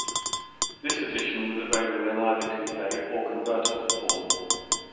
This edition was available in either coupe or convertible form.